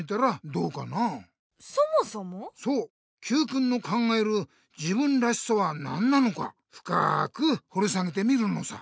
Ｑくんの考える自分らしさは何なのかふかくほり下げてみるのさ。